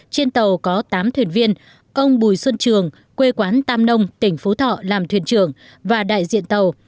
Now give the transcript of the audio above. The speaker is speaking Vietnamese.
trên tàu có tám thuyền viên ông bùi xuân trường quê quán tam nông tỉnh phú thọ làm thuyền trưởng và đại diện tàu